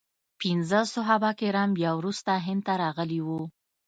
پنځه صحابه کرام بیا وروسته هند ته راغلي وو.